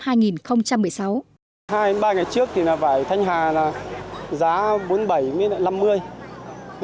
hai ba ngày trước thì là vải thanh hà là giá bốn mươi bảy đến năm mươi đồng